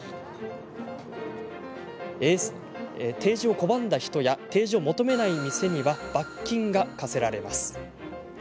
提示を拒んだ人や提示を求めない店には罰金が課せられます。